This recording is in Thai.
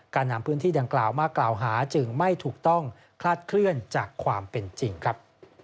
การนำพื้นที่ดังกล่าวมากล่าวหาจึงไม่ถูกต้องคลาดเคลื่อนจากความเป็นจริงครับ